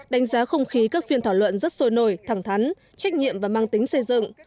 đánh giá không khí các phiên thảo luận rất sôi nổi thẳng thắn trách nhiệm và mang tính xây dựng